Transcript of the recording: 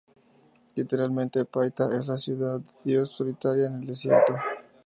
Literalmente, Paita, es "la ciudad de Dios solitaria en el desierto".